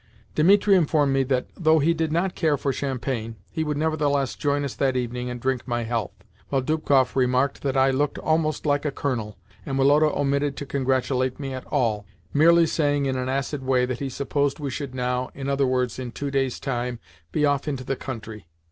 Dimitri informed me that, though he did not care for champagne, he would nevertheless join us that evening and drink my health, while Dubkoff remarked that I looked almost like a colonel, and Woloda omitted to congratulate me at all, merely saying in an acid way that he supposed we should now i.e. in two days time be off into the country.